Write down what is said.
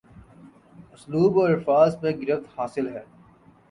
اسلوب اور الفاظ پر گرفت حاصل ہے